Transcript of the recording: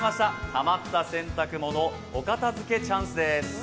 たまった洗濯物お片づけチャンスです。